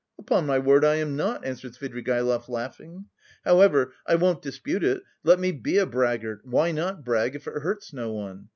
"Upon my word, I am not," answered Svidrigaïlov laughing. "However, I won't dispute it, let me be a braggart, why not brag, if it hurts no one?